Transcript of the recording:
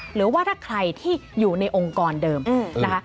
หรือว่าถ้าใครที่อยู่ในองค์กรเดิมนะคะ